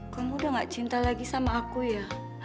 kamu udah gak cinta lagi sama aku ya